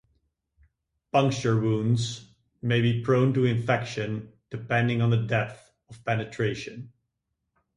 Puncture wounds may be prone to infection depending on the depth of penetration.